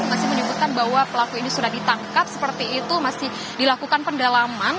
masih menyebutkan bahwa pelaku ini sudah ditangkap seperti itu masih dilakukan pendalaman